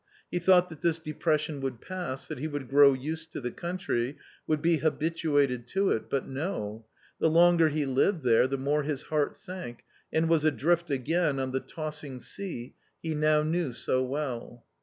He thought that this depression would pass, that he would grow used to the country, would be habituated to it, but no ; the longer he lived there, the more his heart sank and was adrift again on the tossing sea he now knew so well.